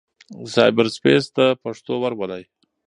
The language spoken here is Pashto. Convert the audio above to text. سايبر سپېس ته پښتو ورولئ.